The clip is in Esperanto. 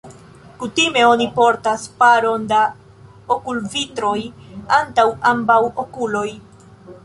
Kutime oni portas paron da okulvitroj antaŭ ambaŭ okuloj.